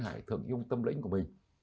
hải thường ông tâm lĩnh của mình